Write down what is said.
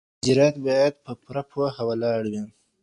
اجرات باید پر پوهه ولاړ وي.